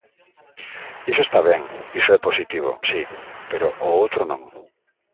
Iso está ben, iso é positivo, si, pero o outro non.